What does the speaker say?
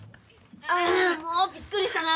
ああもうびっくりしたな！